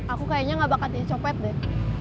aku kayaknya gak bakal dicopet deh